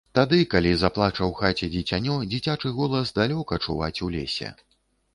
Тады, калі заплача ў хаце дзіцянё, дзіцячы голас далёка чуваць у лесе.